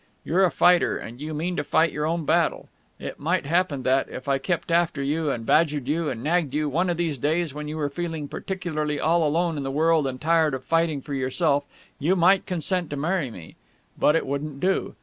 You're a fighter, and you mean to fight your own battle. It might happen that, if I kept after you and badgered you and nagged you, one of these days, when you were feeling particularly all alone in the world and tired of fighting for yourself, you might consent to marry me. But it wouldn't do.